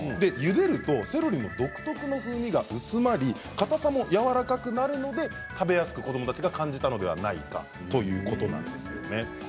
ゆでるとセロリ独特の風味が薄まりかたさもやわらかくなるので食べやすく子どもたちが感じたのではないかということなんです。